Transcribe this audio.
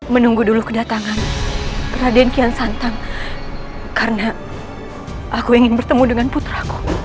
menunggu dulu kedatangan raden kian santan karena aku ingin bertemu dengan puter aku